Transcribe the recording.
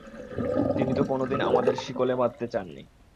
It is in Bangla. তিনি তো কোনোদিন আমাদের শিকলে বাঁধতে চান নি।